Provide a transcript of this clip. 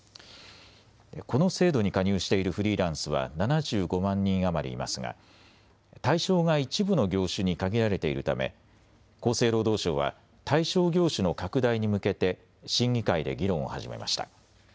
この制度に加入しているフリーランスは７５万人余りいますが対象が一部の業種に限られているため厚生労働省は対象業種の拡大に向けて審議会で議論を始めました。